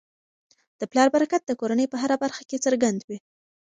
د پلار برکت د کورنی په هره برخه کي څرګند وي.